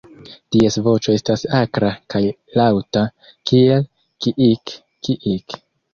Ties voĉo estas akra kaj laŭta, kiel kiik-kiik!!